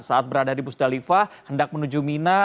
saat berada di musdalifah hendak menuju mina